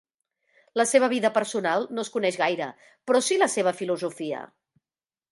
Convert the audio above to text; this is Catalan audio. La seva vida personal no es coneix gaire, però sí la seva filosofia.